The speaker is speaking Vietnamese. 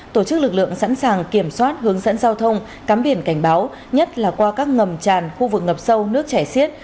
tổ chức lực lượng sẵn sàng kiểm soát hướng dẫn giao thông cắm biển cảnh báo nhất là qua các ngầm tràn khu vực ngập sâu nước chảy xiết